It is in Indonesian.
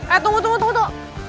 eh tunggu tunggu tunggu